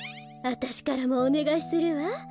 あたしからもおねがいするわ。